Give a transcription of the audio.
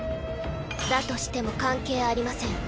だとしても関係ありません。